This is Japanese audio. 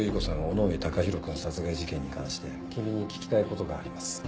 尾ノ上貴裕君殺害事件に関して君に聞きたいことがあります。